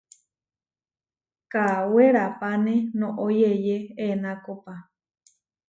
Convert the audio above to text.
Kawerápane noʼó yeʼyé enákopa.